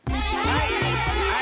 はい！